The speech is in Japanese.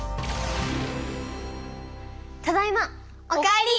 ただいま！お帰り！